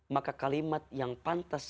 maka kalimat yang pantas